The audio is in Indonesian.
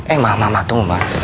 eh ma ma ma tunggu ma